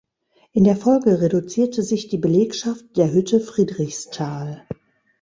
In der Folge reduzierte sich die Belegschaft der Hütte Friedrichsthal.